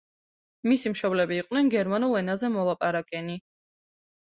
მისი მშობლები იყვნენ გერმანულ ენაზე მოლაპარაკენი.